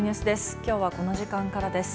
きょうは、この時間からです。